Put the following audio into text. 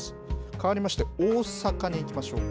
かわりまして大阪にいきましょう。